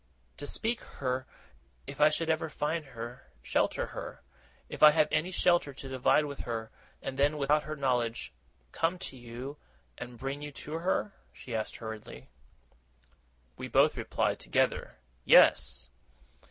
'To speak to her, if I should ever find her; shelter her, if I have any shelter to divide with her; and then, without her knowledge, come to you, and bring you to her?' she asked hurriedly. We both replied together, 'Yes!